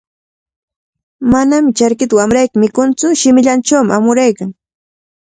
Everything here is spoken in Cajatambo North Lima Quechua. Manami charkita wamrayki mikuntsu, shimillanchawmi amuraykan.